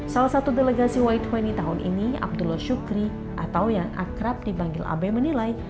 salah satu delegasi y dua puluh tahun ini abdullah syukri atau yang akrab dipanggil abe menilai